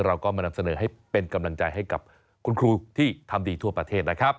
เราก็มานำเสนอให้เป็นกำลังใจให้กับคุณครูที่ทำดีทั่วประเทศนะครับ